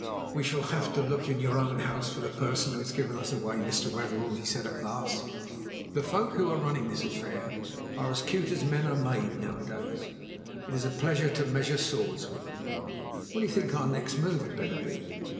"We shall have to look in your own house for the person who has given us away, Mr. Wetherell!" he said at last. "The folk who are running this affair are as cute as men are made nowadays; it's a pleasure to measure swords with them." "What do you think our next move had better be?"